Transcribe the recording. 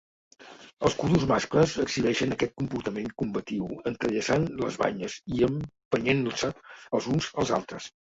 Els cudús mascles exhibeixen aquest comportament combatiu entrellaçant les banyes i empenyent-se els uns als altres.